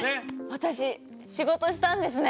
私仕事したんですね。